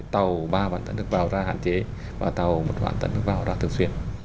tàu ba bản tận được vào ra hạn chế và tàu một bản tận được vào ra thường xuyên